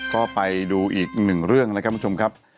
ก็ไปดูอีกหนึ่งเรื่องนะครับคุณผู้ชมครับ